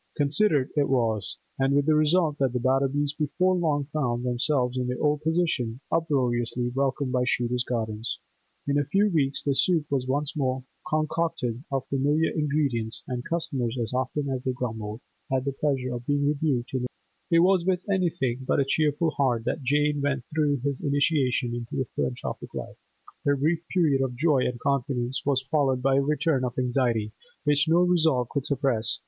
Considered it was, and with the result that the Batterbys before long found themselves in their old position, uproariously welcomed by Shooter's Gardens. In a few weeks the soup was once more concocted of familiar ingredients, and customers, as often as they grumbled, had the pleasure of being rebuked in their native tongue. It was with anything but a cheerful heart that Jane went through this initiation into the philanthropic life. Her brief period of joy and confidence was followed by a return of anxiety, which no resolve could suppress.